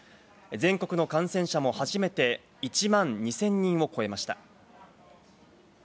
全国の感染者も初めて１万２０００人を超えました。